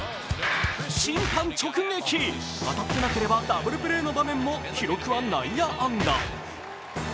審判直撃、当たってなければダブルプレーの場面も記録は内野安打。